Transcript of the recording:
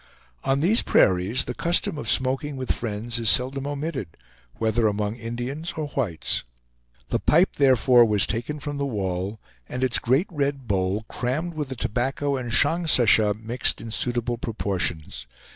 On these prairies the custom of smoking with friends is seldom omitted, whether among Indians or whites. The pipe, therefore, was taken from the wall, and its great red bowl crammed with the tobacco and shongsasha, mixed in suitable proportions.